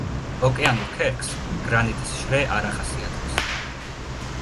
ოკეანურ ქერქს გრანიტის შრე არ ახასიათებს.